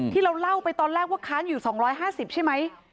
ที่เราเล่าไปตอนแรกว่าค้างอยู่สองร้อยห้าสิบใช่ไหม